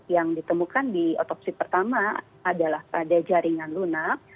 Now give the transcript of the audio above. yang ditemukan di otopsi pertama adalah pada jaringan lunak